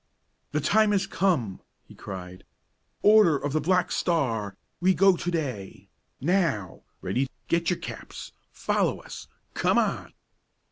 "The time has come!" he cried. "Order of the Black Star, we go to day! now ready get your caps follow us come on!"